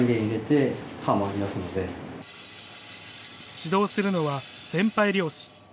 指導するのは先輩猟師。